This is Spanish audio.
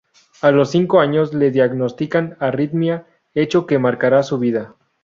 A los cinco años le diagnostican arritmia, hecho que marcará su vida.